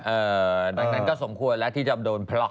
ดังนั้นก็สมควรแล้วที่จะโดนพล็อก